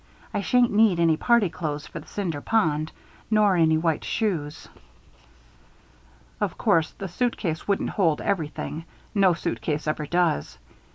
I shan't need any party clothes for the Cinder Pond. Nor any white shoes." Of course the suitcase wouldn't hold everything; no suitcase ever does.